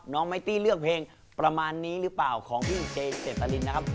ไมตี้เลือกเพลงประมาณนี้หรือเปล่าของพี่เจเจตรินนะครับ